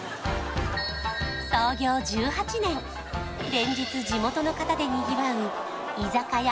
連日地元の方でにぎわう居酒屋